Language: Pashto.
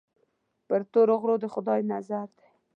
پر تورو غرو د خدای نظر دی.